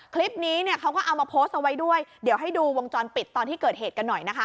คลิปนี้เนี่ยเขาก็เอามาโพสต์เอาไว้ด้วยเดี๋ยวให้ดูวงจรปิดตอนที่เกิดเหตุกันหน่อยนะคะ